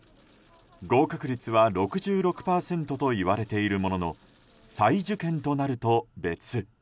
合格率は６６％といわれているものの再受験となると別。